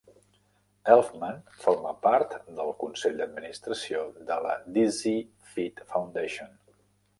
Elfman forma part del consell d'administració de la Dizzy Feet Foundation.